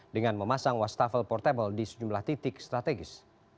dengan memasang wastafel portable di sejumlah titik strategis